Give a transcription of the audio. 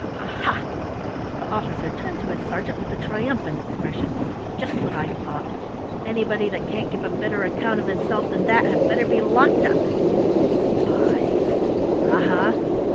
"Aha!" The officer turned to his sergeant with a triumphant expression. "Just what I thought. Anybody that can't give a better account of himself than that had better be locked up. Spies aha!